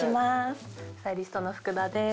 スタイリストの福田です。